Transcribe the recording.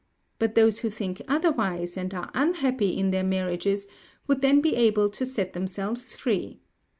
But those who think otherwise, and are unhappy in their marriages, would then be able to set themselves free.